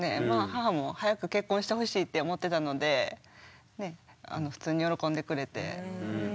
母も早く結婚してほしいって思ってたので普通に喜んでくれて。